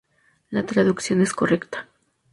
La traducción es correcta.